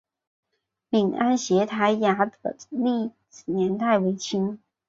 闽安协台衙门的历史年代为清。